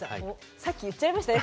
さっき言っちゃいましたね。